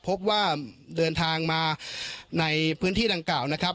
พบว่าเดินทางมาในพื้นที่ดังกล่าวนะครับ